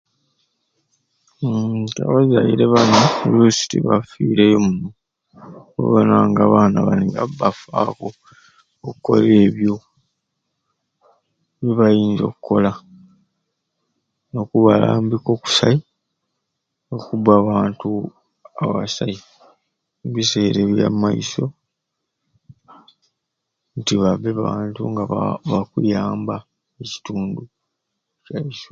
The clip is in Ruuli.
Hmmm ababyaire bani olusi tibafireeyo muno okubonanga abaana bani babafaku okola ebyo byebayinza okola nokubalambika okusai okubba abantu abasai omubiseera ebyamaiso nti babbe abantu nga bakuyamba ekitundu kyaiswe.